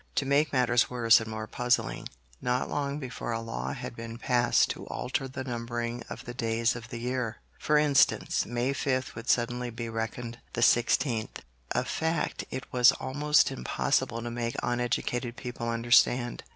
To make matters worse and more puzzling, not long before a law had been passed to alter the numbering of the days of the year. For instance, May 5 would suddenly be reckoned the 16th, a fact it was almost impossible to make uneducated people understand.